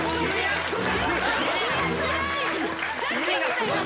すごい。